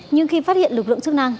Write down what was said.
nhưng khi phát hiện lực lượng chức năng